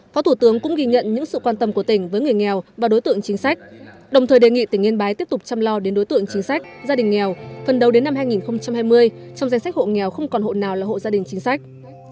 phó thủ tướng cũng ghi nhận những sự quan tâm của tỉnh với người nghèo và đối tượng chính sách đồng thời đề nghị tỉnh yên bái tiếp tục chăm lo đến đối tượng chính sách gia đình nghèo phần đầu đến năm hai nghìn hai mươi trong danh sách hộ nghèo không còn hộ nào là hộ gia đình chính sách